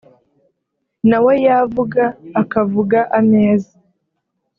nawe yavuga akavuga ameza